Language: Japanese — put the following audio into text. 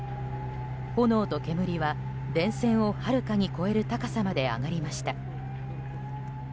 炎と煙は電線をはるかに越える高さまで上がりました。